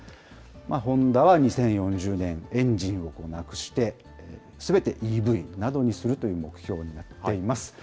ホンダは２０４０年、エンジンをなくして、すべてＥＶなどにするという目標になっています。